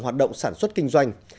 hoạt động sản xuất kinh doanh